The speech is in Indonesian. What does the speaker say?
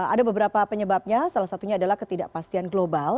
ada beberapa penyebabnya salah satunya adalah ketidakpastian global